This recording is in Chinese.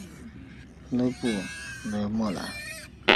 勒布莱莫兰。